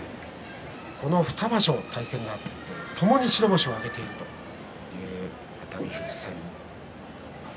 この２場所、対戦があってともに白星を挙げている熱海富士戦です。